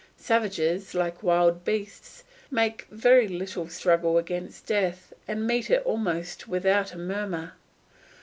Savages, like wild beasts, make very little struggle against death, and meet it almost without a murmur.